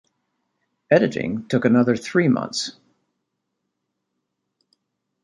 Editing took another three months.